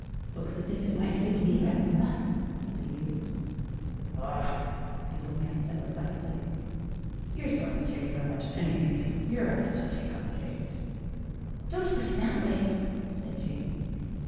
"Looks as if it might fit me, grandfawther," said the youth. "Ah !" the old man said reflectively, "you're so par ticular about anything you're asked to take up, James." "Don't put it that way," said James.